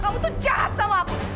kamu tuh jahat sama aku